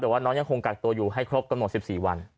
แต่ว่าน้องยังคงกักตัวอยู่ให้ครบกำหนด๑๔วัน